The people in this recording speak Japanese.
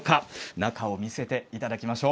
中を見せていただきましょう。